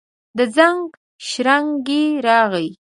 د زنګ شرنګی راغلي